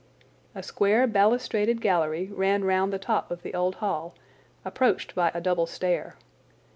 A square balustraded gallery ran round the top of the old hall, approached by a double stair.